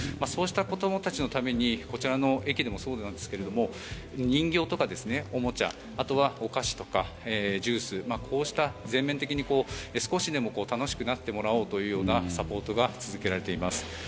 そうした子どもたちのためにこちらの駅でもそうなんですが人形とか、おもちゃあとはお菓子とかジュースこうした全面的に少しでも楽しくなってもらおうといったサポートが続けられています。